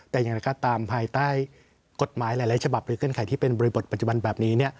แต่อย่างไรก็ตามภายใต้กฎหมายหลายฉบับหรือเงื่อนไขที่เป็นบริบทปัจจุบันแบบนี้